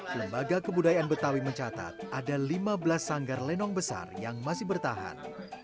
lembaga kebudayaan betawi mencatat ada lima belas sanggar lenong besar yang masih bertahan